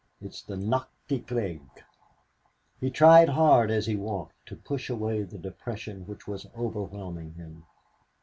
It's the 'nächste Krieg.'" He tried hard, as he walked, to push away the depression which was overwhelming him.